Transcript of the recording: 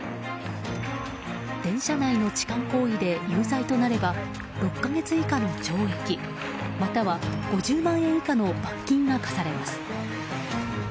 電車内の痴漢行為で有罪となれば６か月以下の懲役または５０万円以下の罰金が科されます。